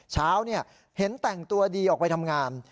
เช้าเห็นแต่งตัวดีออกไปทำงาน